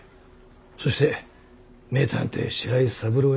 そして名探偵白井三郎への執着。